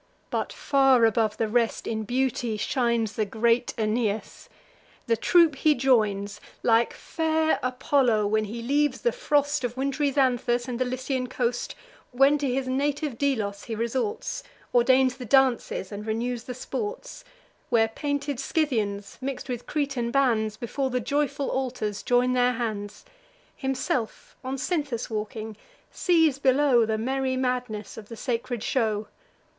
But far above the rest in beauty shines The great Aeneas, the troop he joins; Like fair Apollo, when he leaves the frost Of wint'ry Xanthus, and the Lycian coast, When to his native Delos he resorts, Ordains the dances, and renews the sports; Where painted Scythians, mix'd with Cretan bands, Before the joyful altars join their hands: Himself, on Cynthus walking, sees below The merry madness of the sacred show.